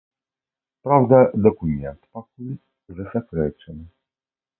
Праўда, дакумент пакуль засакрэчаны.